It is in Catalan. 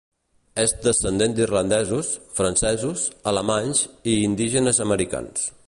És descendent d'irlandesos, francesos, alemanys i indígenes americans.